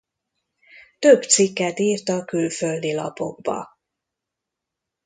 Több cikket írt a külföldi lapokba.